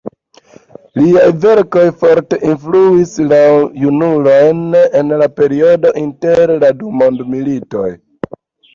Liaj verkoj forte influis la junulojn en periodo inter la du mondmilitoj.